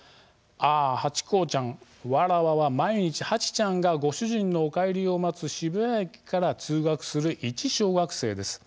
ああハチ公ちゃん、わらわは毎日ハチちゃんがご主人のお帰りを待つ渋谷駅から通学する、一小学生です。